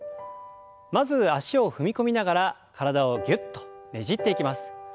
まず脚を踏み込みながら体をぎゅっとねじっていきます。